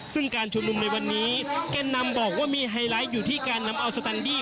ซึ่งการชุมนุมในวันนี้แกนนำบอกว่ามีไฮไลท์อยู่ที่การนำเอาสแตนดี้